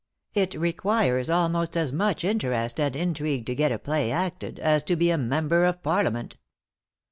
It requires almost as much interest and intrigue to get a play acted, as to be a member of Parliament."